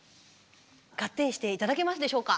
ガッテンして頂けますでしょうか？